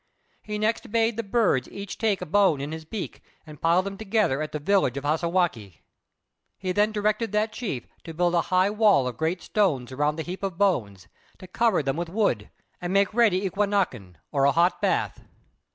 He next bade the birds take each a bone in his beak and pile them together at the village of Hassagwākq'. He then directed that chief to build a high wall of great stones around the heap of bones, to cover them with wood, and make ready "eqūnāk'n," or a hot bath.